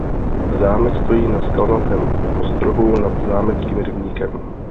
Zámek stojí na skalnatém ostrohu nad Zámeckým rybníkem.